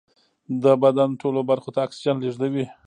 د بدن ټولو برخو ته اکسیجن لېږدوي